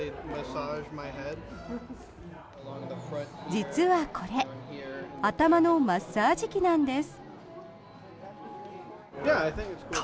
実はこれ頭のマッサージ器なんです。